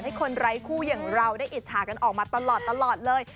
ให้คนไร้คู่อย่างเราได้อิจฉากันออกมาตลอดเลย